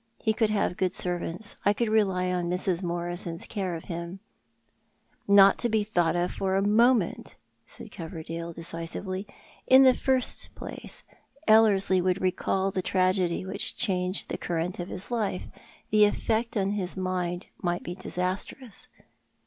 He could have good servants. I could rely upon Mrs. Morison's care of him "" Not to be thought of for a moment !" said Coverdale, decisively. " In the first place, Ellerslie would recall the tragedy which changed the current of his life ; the effect upon his mind might be disastrous."